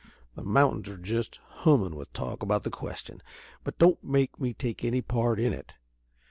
The mountains are jest hummin' with talk about the question, but don't make me take any part in it.